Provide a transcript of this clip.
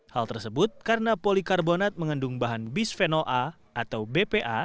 hal tersebut karena polikarbonat mengandung bahan bisphenol a atau bpa